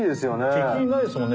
敵いないですもんね